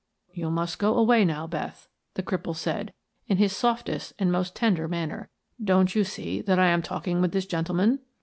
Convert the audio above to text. "You must go away now, Beth," the cripple said, in his softest and most tender manner. "Don't you see that I am talking with this gentleman?"